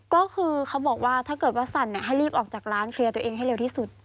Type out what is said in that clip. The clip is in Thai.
ก็คือเขาบอกว่าถ้าเกิดว่าสั่นให้รีบออกจากร้านเคลียร์ตัวเองให้เร็วที่สุด